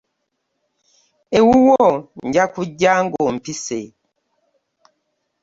Ewuwo nja kujja ng'ompise.